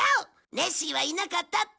ネッシーはいなかったって！